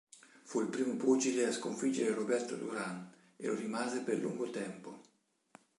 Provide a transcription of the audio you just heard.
Fu il primo pugile a sconfiggere Roberto Durán e lo rimase per lungo tempo.